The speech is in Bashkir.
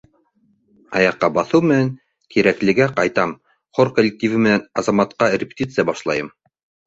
«Аяҡҡа баҫыу менән Тирәклегә ҡайтам, хор коллективы менән «Азамат»ҡа репетиция башлайым.